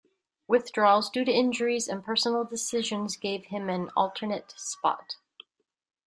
Withdrawals due to injuries and personal decisions gave him an alternate spot.